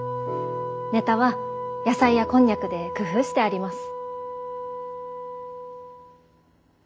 ネタは野菜やこんにゃくで工夫してあります。